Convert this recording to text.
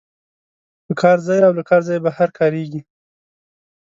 په کار ځای او له کار ځای بهر کاریږي.